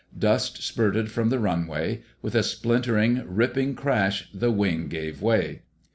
Dust spurted from the runway. With a splintering, ripping crash the wing gave way.